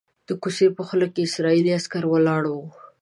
د کوڅې په خوله کې اسرائیلي عسکر ولاړ وو.